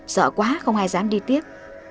sợ quá không ai dám đi tiếp